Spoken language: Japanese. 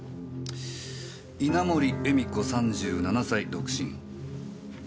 「稲盛絵美子３７歳独身」。